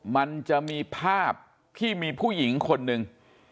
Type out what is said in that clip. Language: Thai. มันจะมีภาพที่มีผู้หญิงคนหนึ่ง